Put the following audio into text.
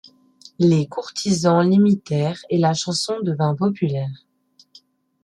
Les courtisans l'imitèrent et la chanson devint populaire.